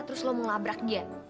terus lo mau ngabrak dia